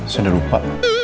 saya udah lupa